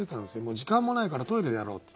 「時間もないからトイレでやろう」って言って。